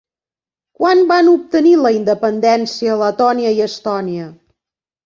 Quan van obtenir la independència Letònia i Estònia?